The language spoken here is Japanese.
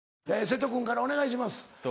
瀬戸君からお願いします。